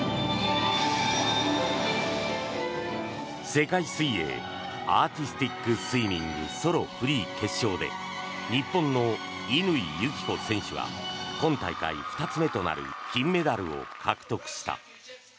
世界水泳アーティスティックスイミングソロ・フリー決勝で日本の乾友紀子選手が今大会２つ目となる金メダルを獲得した。